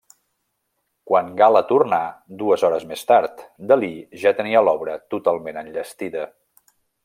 Quan Gala tornà, dues hores més tard, Dalí ja tenia l'obra totalment enllestida.